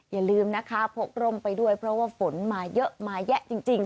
อย่าลืมนะคะพกร่มไปด้วยเพราะว่าฝนมาเยอะมาแยะจริง